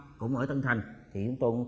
thì chúng tôi cũng tiến hành chúng tôi làm việc